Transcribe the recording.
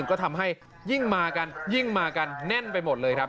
ก็ทำให้ยิ่งมากันยิ่งมากันแน่นไปหมดเลยครับ